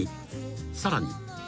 さらに］